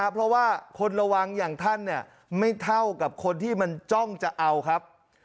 เพราะว่าคนระวังอย่างท่านไม่เท่ากับคนที่มันจ้องจะเอาครับ